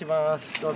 どうぞ。